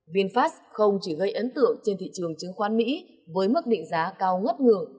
vinfast không chỉ gây ấn tượng trên thị trường chứng khoán mỹ với mức định giá cao ngất ngường